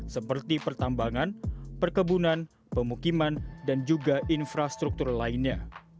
seperti pertambangan perkebunan pemukiman dan juga infrastruktur lainnya